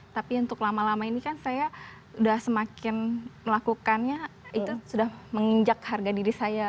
tapi untuk lama lama ini kan saya sudah semakin melakukannya itu sudah menginjak harga diri saya